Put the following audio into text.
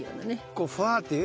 こうフワーっていう？